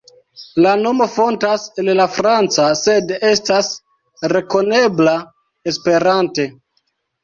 La nomo fontas el la franca, sed estas rekonebla Esperante.